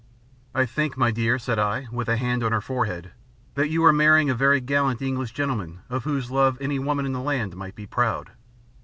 "I think, my dear," said I, with a hand on her forehead, "that you are marrying a very gallant English gentleman of whose love any woman in the land might be proud."